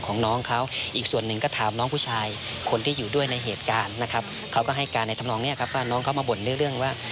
ของน้องเขาอีกส่วนหนึ่งก็ถามน้องผู้ชายคนที่อยู่ด้วยในเหตุการณ์นะครับเขาก็ให้การในธรรมนองเนี่ยครับว่าน้องเขามาบ่นด้วยเรื่องว่า